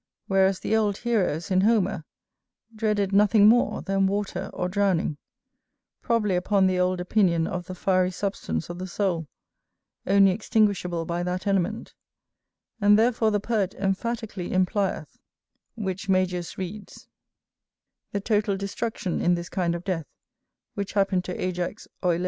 Whereas the old heroes, in Homer, dreaded nothing more than water or drowning; probably upon the old opinion of the fiery substance of the soul, only extinguishable by that element; and therefore the poet emphatically implieth[AH] the total destruction in this kind of death, which happened to Ajax Oileus.